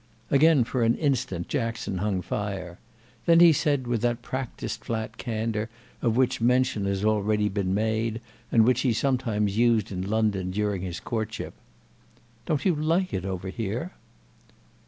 Again for an instant Jackson hung fire; then he said with that practised flat candour of which mention has already been made and which he sometimes used in London during his courtship: "Don't you like it over here?"